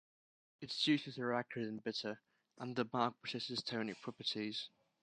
Its juices are acrid and bitter and the bark possesses tonic properties.